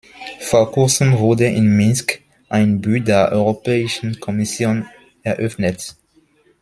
Vor kurzem wurde in Minsk ein Büder Europäischen Kommission eröffnet.